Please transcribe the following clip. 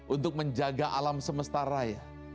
untuk menjaga alam semesta raya